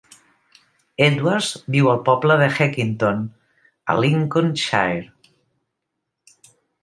Edwards viu al poble de Heckington, a Lincolnshire.